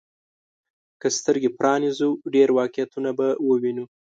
که سترګي پرانيزو، ډېر واقعيتونه به ووينو.